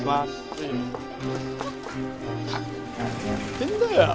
ったく何やってんだよ。